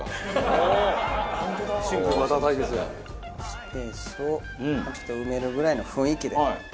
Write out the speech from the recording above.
スペースを埋めるぐらいの雰囲気で。